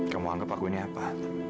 kamu anggap aku ini apa